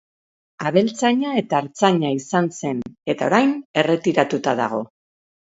Abeltzaina eta artzaina izan zen eta orain erretiratuta dago.